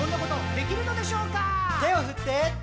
「手を振って」